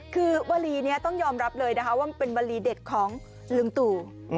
คือวลีนี้ต้องยอมรับเลยนะคะว่ามันเป็นวลีเด็ดของลุงตู่